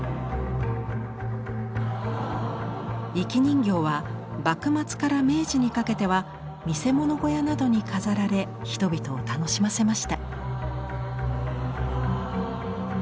生人形は幕末から明治にかけては見せ物小屋などに飾られ人々を楽しませました。